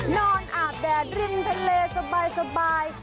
อาบแดดริมทะเลสบาย